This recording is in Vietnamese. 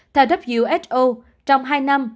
theo who trong hai năm